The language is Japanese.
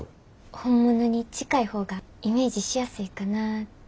本物に近い方がイメージしやすいかなって。